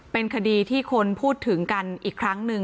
เป็นคดีที่คนพูดถึงกันอีกครั้งหนึ่ง